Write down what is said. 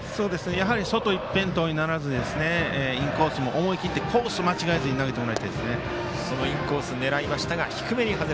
外一辺倒にならずインコースも思い切ってコースを間違えずに投げてもらいたいです。